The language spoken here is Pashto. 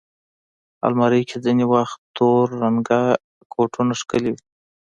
الماري کې ځینې وخت تور رنګه کوټونه ښکلي وي